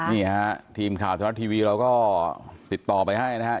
นี่ฮะทีมข่าวเจ้าหน้าทีวีเราก็ติดต่อไปให้นะครับ